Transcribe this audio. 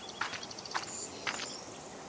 tidak ada yang bisa dipercaya